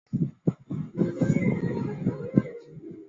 长昌基隆竞选总部昨也到基隆地检署控告国民党及基隆市政府。